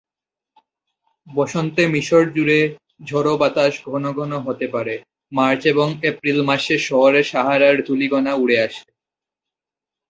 বসন্তে মিশর জুড়ে ঝড়ো বাতাস ঘন ঘন হতে পারে, মার্চ এবং এপ্রিল মাসে শহরে সাহারার ধূলিকণা উড়ে আসে।